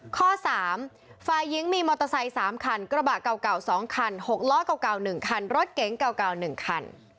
ข้อ๓ฝ่ายหญิงมีมอเตอร์ไซค์๓คันกระบะเก่า๒คัน๖ล้อเก่า๑คันรถเก๋งเก่า๑คัน